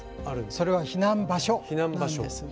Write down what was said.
それは避難場所なんです。